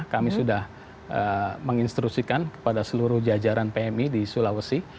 kami sudah menginstrusikan kepada seluruh jajaran pmi di sulawesi